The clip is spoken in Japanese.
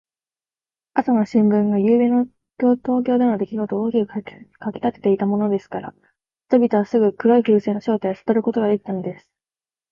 朝の新聞が、ゆうべの東京でのできごとを大きく書きたてていたものですから、人々はすぐ黒い風船の正体をさとることができたのです。